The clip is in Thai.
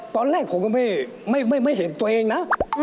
ตอนแรกผมก็ไม่เห็นตัวเองนะ